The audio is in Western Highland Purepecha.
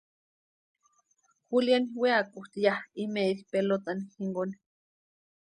Juliani weakutʼi ya imeri pelotani jinkoni.